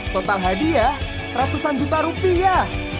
total hadiah ratusan juta rupiah